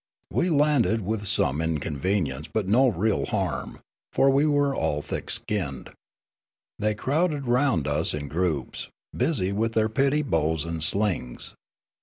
We landed with some inconvenience but no real harm ; for we were all thick skinned. They crowded round us in groups, busy with their petty bows and slings.